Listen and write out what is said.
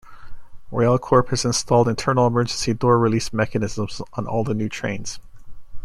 RailCorp has installed internal emergency door release mechanisms on all the new trains.